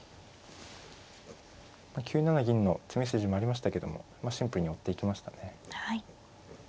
９七銀の詰み筋もありましたけどもシンプルに寄っていきましたね。